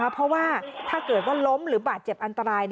เพราะว่าถ้าเกิดว่าล้มหรือบาดเจ็บอันตราย